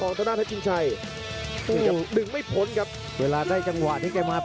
โอ้โหดูครับดีคมกว่าครับ